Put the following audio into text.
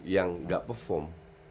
yang gak perform